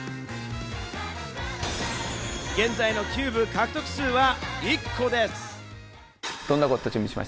現在のキューブ獲得数は１個です。